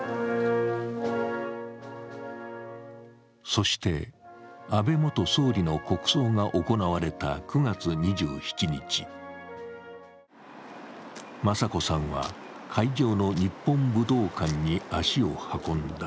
そして、安倍元総理の国葬が行われた９月２７日雅子さんは会場の日本武道館に足を運んだ。